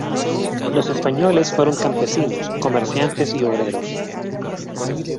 Los españoles fueron campesinos, comerciantes y obreros.